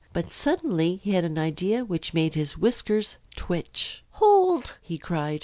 But suddenly he had an idea which made his whiskers twitch. "Hold!" he cried.